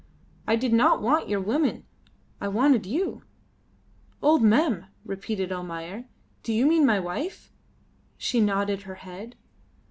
I did not want your women, I wanted you." "Old Mem!" repeated Almayer. "Do you mean my wife?" She nodded her head.